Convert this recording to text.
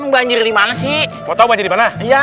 banjir dimana sih mau tahu jadi mana ya